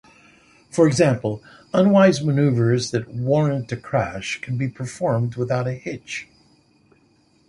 For example, unwise maneuvres that warrant a crash can be performed without a hitch.